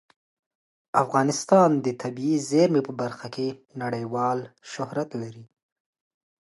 افغانستان د طبیعي زیرمې په برخه کې نړیوال شهرت لري.